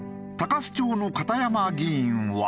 鷹栖町の片山議員は。